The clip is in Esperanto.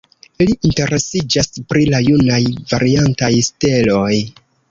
Li interesiĝas pri la junaj variantaj steloj.